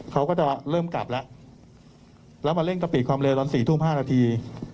เขาก็จะเริ่มกลับแล้วแล้วมาเร่งกะปิความเร็วตอน๔ทุ่ม๕นาที